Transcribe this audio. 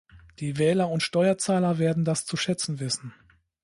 Die Wähler und Steuerzahler werden das zu schätzen wissen.